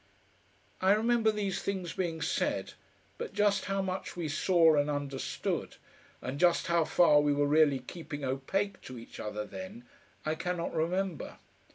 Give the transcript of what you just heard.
I remember these things being said, but just how much we saw and understood, and just how far we were really keeping opaque to each other then, I cannot remember.